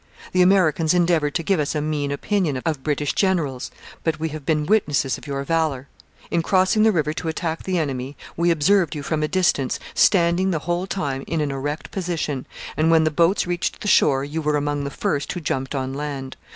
The Americans endeavoured to give us a mean opinion of British generals, but we have been witnesses of your valour. In crossing the river to attack the enemy, we observed you from a distance standing the whole time in an erect position, and when the boats reached the shore you were among the first who jumped on land.